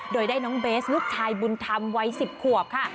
โดยได้น้องเบสลูกชายบุญธรรมวัย๑๐ขวบค่ะ